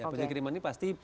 banjir kiriman ini pasti